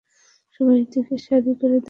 সবাই একদিকে সারি করে দাঁড়া।